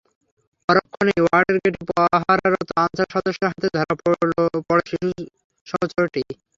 পরক্ষণেই ওয়ার্ডের গেটে পাহারারত আনসার সদস্যের হাতে ধরা পড়ে শিশুসহ চোরটি।